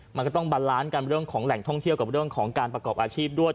มันก็ต้องบันล้านกันเรื่องของแหล่งท่องเที่ยวกับเรื่องของการประกอบอาชีพด้วย